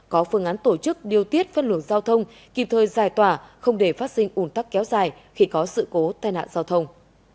có phương án tổ chức điều tiết phân luồng giao thông kịp thời giải tỏa không để phát sinh ủn tắc kéo dài khi có sự cố tai nạn giao thông